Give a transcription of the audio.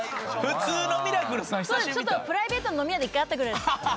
プライベートの飲み屋で１回会ったぐらいです。